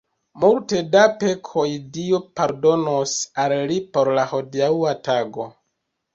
Multe da pekoj Dio pardonos al li por la hodiaŭa tago.